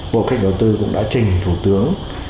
bộ kế hoạch đầu tư cũng đã trình thủ tướng